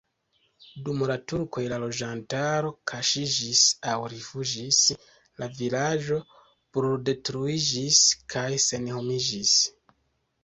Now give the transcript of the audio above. Dum la turkoj la loĝantaro kaŝiĝis aŭ rifuĝis, la vilaĝo bruldetruiĝis kaj senhomiĝis.